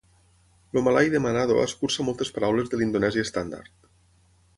El malai de Manado escurça moltes paraules de l'indonesi estàndard.